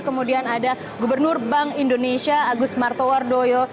kemudian ada gubernur bank indonesia agus martowar doyo